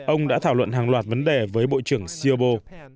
ông đã thảo luận hàng loạt vấn đề với bộ trưởng siobo